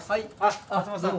勝本さん